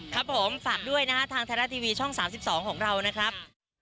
ครับผมฝากด้วยนะฮะทางไทยรัฐทีวีช่อง๓๒ของเรานะครับ